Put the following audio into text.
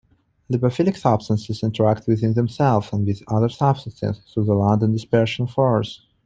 Lipophilic substances interact within themselves and with other substances through the London dispersion force.